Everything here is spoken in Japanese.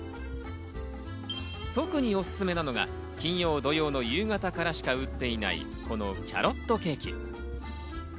特におすすめなのが金曜・土曜の夕方からしか売っていない、このキャロットケーキ。